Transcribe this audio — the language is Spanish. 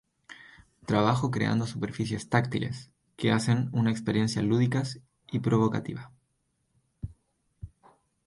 Trabajo creando superficies táctiles, que hacen una experiencia lúdicas y provocativa.